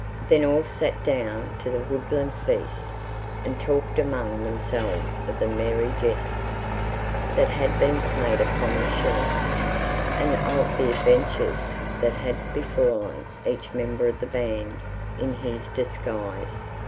Then all sat down to the woodland feast and talked among themselves of the merry jest that had been played upon the Sheriff, and of the adventures that had befallen each member of the band in his disguise.